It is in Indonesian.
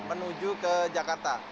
menuju ke jakarta